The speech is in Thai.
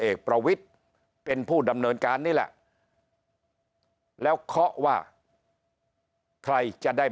เอกประวิทย์เป็นผู้ดำเนินการนี่แหละแล้วเคาะว่าใครจะได้